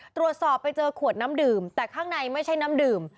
ตรวจสอบไปเจอขวดน้ำดื่มแต่ข้างในไม่ใช่น้ำดื่ม